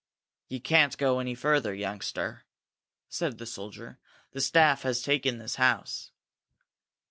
"You can't go any further, youngster," said the soldier. "The staff has taken this house."